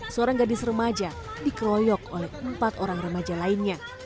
seorang gadis remaja dikeroyok oleh empat orang remaja lainnya